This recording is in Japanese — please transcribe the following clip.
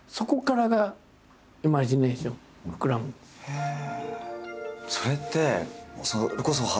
へえ！